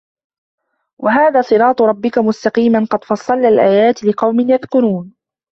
وهذا صراط ربك مستقيما قد فصلنا الآيات لقوم يذكرون